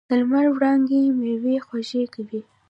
د لمر وړانګې میوې خوږې کوي.